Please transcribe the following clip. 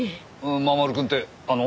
守くんってあの？